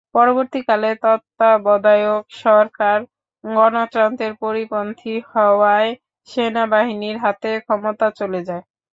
পরবর্তীকালে তত্ত্বাবধায়ক সরকার গণতন্ত্রের পরিপন্থী হওয়ায় সেনাবাহিনীর হাতে ক্ষমতা চলে যায়।